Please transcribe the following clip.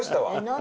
何？